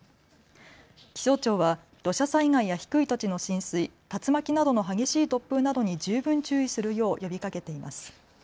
気象庁は土砂災害や低い土地の浸水、竜巻などの激しい突風などに十分注意するよう呼びかけています。